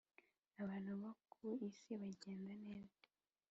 Abantu bo ku isi bagenda neza